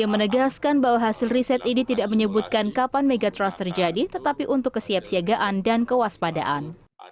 menegaskan bahwa hasil riset ini tidak menyebutkan kapan megatrust terjadi tetapi untuk kesiapsiagaan dan kewaspadaan